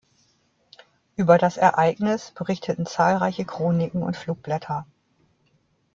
Über das Ereignis berichteten zahlreiche Chroniken und Flugblätter.